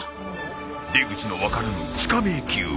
出口の分からぬ地下迷宮。